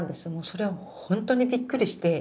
それは本当にびっくりして。